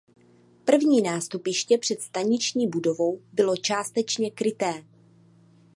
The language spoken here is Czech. První nástupiště před staniční budovou bylo částečně kryté.